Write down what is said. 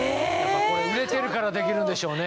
売れてるからできるんでしょうね。